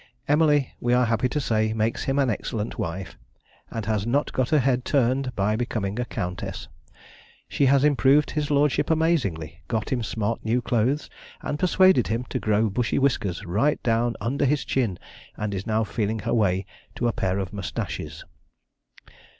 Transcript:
Emily, we are happy to say, makes him an excellent wife, and has not got her head turned by becoming a countess. She has improved his lordship amazingly, got him smart new clothes, and persuaded him to grow bushy whiskers right down under his chin, and is now feeling her way to a pair of moustaches.